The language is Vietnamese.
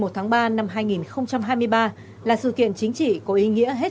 một mươi một tháng ba năm một nghìn chín trăm bốn mươi tám một mươi một tháng ba năm hai nghìn hai mươi ba